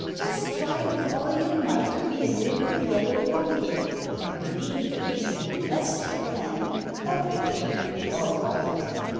Just try with all your might to be a little yellow pumpkin, and believe that if you do the best you can, everything will be all right.